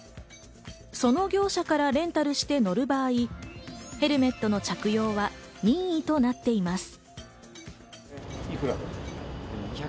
その業者からレンタルする場合、ヘルメットの着用は任意となっています。